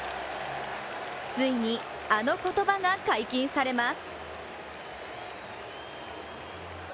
ついに、あの言葉が解禁されます。